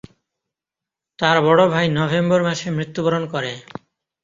তার বড় ভাই নভেম্বর মাসে মৃত্যুবরণ করে।